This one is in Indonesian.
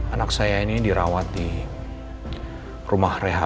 anak saya ini dirawat di rumah rehab